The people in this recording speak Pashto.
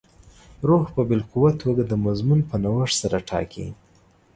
روح په باالقوه توګه د مضمون په نوښت سره ټاکي.